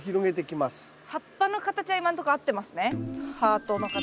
葉っぱの形は今んとこ合ってますね。